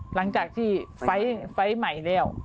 หลังจากที่ไฟล์ใหม่แล้ว